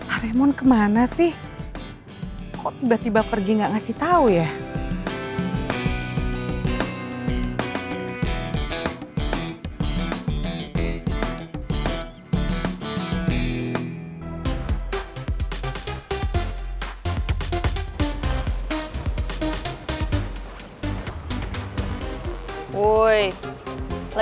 alemon kemana sih kok tiba tiba pergi gak ngasih tau ya